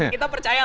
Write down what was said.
kita percaya lah